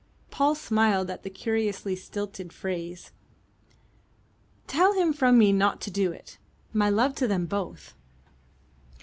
Paul smiled at the curiously stilted phrase. "Tell him from me not to do it. My love to them both."